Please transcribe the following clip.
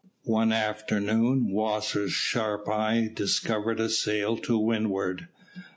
One afternoon Wasser's sharp eye discovered a sail to windward.